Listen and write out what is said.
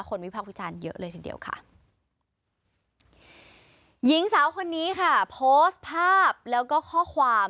วิพักษ์วิจารณ์เยอะเลยทีเดียวค่ะหญิงสาวคนนี้ค่ะโพสต์ภาพแล้วก็ข้อความ